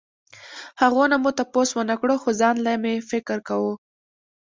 هغو نه مو تپوس ونکړو خو ځانله مې فکر کوو